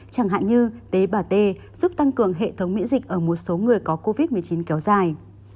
chẳng hạn như tế bà t giúp tăng cường hệ thống miễn dịch ở một số người có covid một mươi chín kéo dài